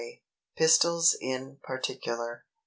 PISTILS IN PARTICULAR.